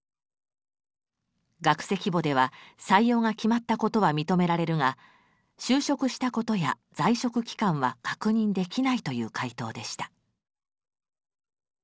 学籍簿では採用が決まったことは認められるが就職したことや在職期間は確認できないという回答でした。